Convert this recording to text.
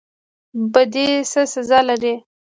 بدی څه سزا لري؟